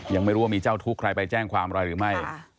ยังไม่รู้ว่ามีเจ้าทุกข์ใครไปแจ้งความอะไรหรือไม่